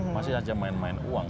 masih saja main main uang